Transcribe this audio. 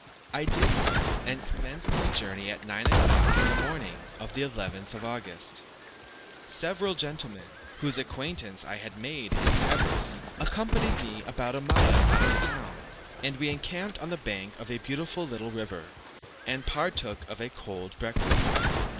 I did so, and commenced my journey at 9 o'clock in the morning of the 11th of August. Several gentlemen, whose acquaintance I had made in Tebris, accompanied me about a mile out of the town, and we encamped on the bank of a beautiful little river, and partook of a cold breakfast.